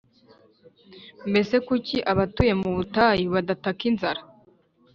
mbese kuki abatuye mu butayu badataka inzara,